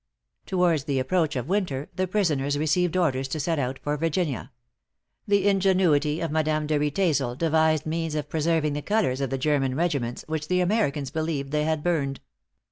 Towards the approach of winter the prisoners received orders to set out for Virginia. The ingenuity of Madame de Riedesel devised means of preserving the colors of the German regiments, which the Americans believed they had burned.